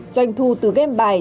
doanh thu từ game bài